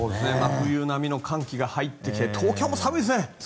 冬並みの寒波が入ってきて東京も寒いですね。